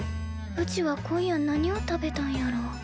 うちは今夜何を食べたんやろう？